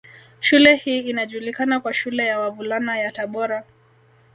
Shule hii inajulikana kwa shule ya Wavulana ya Tabora